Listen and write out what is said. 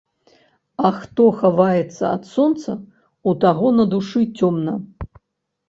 А хто хаваецца ад сонца, у таго на душы цёмна.